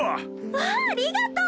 わあっありがとう！